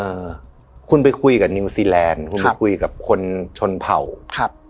เอ่อคุณไปคุยกับนิวซีแลนด์คุณไปคุยกับคนชนเผ่าครับ